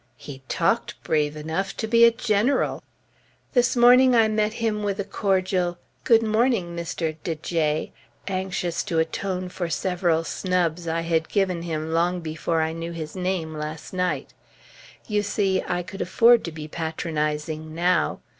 He talked brave enough to be general. This morning I met him with a cordial "Good morning, Mr. de J ," anxious to atone for several "snubs" I had given him, long before I knew his name, last night; you see I could afford to be patronizing now.